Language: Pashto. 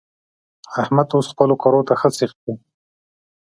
احمد اوس خپلو کارو ته سيخ شو.